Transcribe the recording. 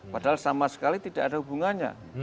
padahal sama sekali tidak ada hubungannya